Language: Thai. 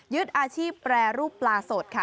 อาชีพแปรรูปปลาสดค่ะ